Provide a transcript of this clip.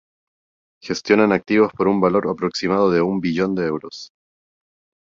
Gestionan activos por un valor aproximado de un billón de euros.